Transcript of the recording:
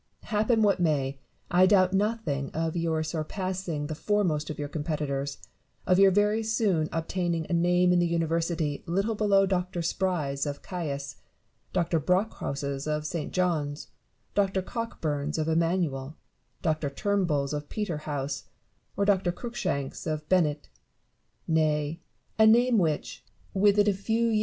Happen what may, I doubt nothing of your surpassing the foremost of your competitors — of your very soon obtaining a name in the University little below Doctor Spry's of Caius, Doctor Brockhouse's of St. John's, Doctor Cockburn's of Emanuel, Doctor TurnbuU's of Peter House, or Doctor Cruikshank's of Bennet 3 nay, a name which, within a few 192 IMA GINAR Y CONVERSA TIONS.